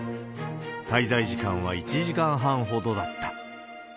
滞在時間は１時間半ほどだった。